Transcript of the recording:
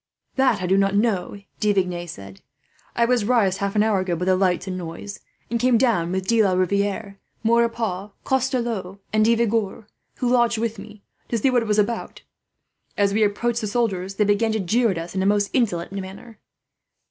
"That I do not know," De Vignes said. "I was roused half an hour ago by the lights and noise, and came down with De la Riviere, Maurepas, Castellon, and De Vigors, who lodges with me, to see what it was about. As we approached the soldiers, they began to jeer at us in a most insolent manner.